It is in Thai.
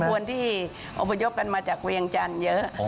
คนที่อพยพกันมาจากเวียงจันทร์เยอะ